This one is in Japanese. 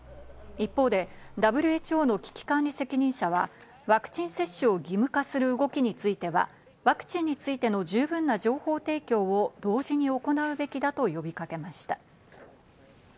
一方でＷＨＯの危機管理責任者はワクチン接種を義務化する動きについてはワクチンについての十分な情報提供を同時に行うべきだと呼びかけました。